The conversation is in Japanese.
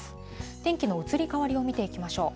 天気の移り変わりを見ていきましょう。